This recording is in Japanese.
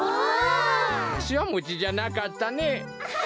かしわもちじゃなかったね！